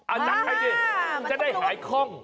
อันนั้นให้เจ๊จะได้หายคล่อง